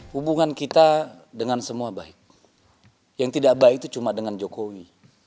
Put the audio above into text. hubungan kita dengan semua baik yang tidak baik itu cuma dengan jokowi